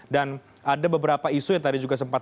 dan ada beberapa isu yang tadi juga sempat